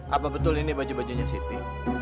apa betul ini baju bajunya siti